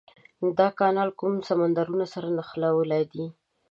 دا کانال کوم سمندرونه سره نښلولي دي؟